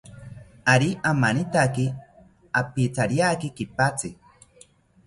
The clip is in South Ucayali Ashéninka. Ari amanitaki, opithariaki kipatzi